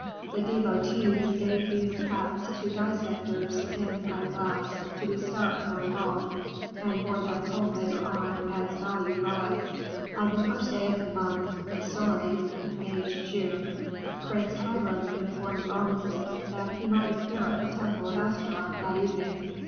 The devotees gave these cats to dissectors in Pi Bast to be stuffed or embalmed, and bore them home later on as valued relics. On the first day of the month Mesori (May June), Prince Hiram informed Rameses that he might appear at the temple of Astaroth that evening.